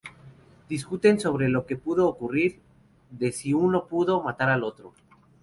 Discuten sobre lo que ha podido ocurrir, de si uno pudo matar al otro.